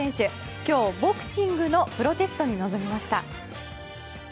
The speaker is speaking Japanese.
今日、ボクシングのプロテストに臨みました。